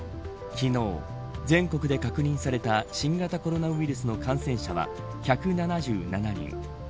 昨日、全国で確認された新型コロナウイルスの感染者は１７７人。